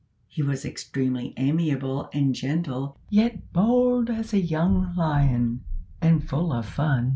He was extremely amiable and gentle, yet bold as a young lion, and full of fun.